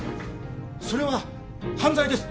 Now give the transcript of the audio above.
それは犯罪です！